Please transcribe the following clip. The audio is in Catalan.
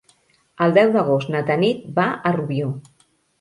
El deu d'agost na Tanit va a Rubió.